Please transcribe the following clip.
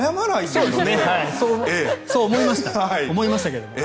そう思いましたけども。